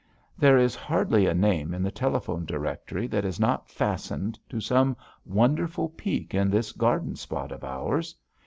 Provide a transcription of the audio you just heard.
There is hardly a name in the telephone directory that is not fastened to some wonderful peak in this garden spot of ours.